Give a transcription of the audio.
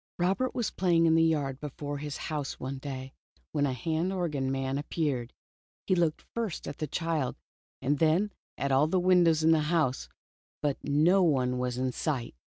Robert was playing in the yard before his house one day, when a hand organ man appeared. He looked first at the child, and then at ail the windows in the house, but no one was in sight.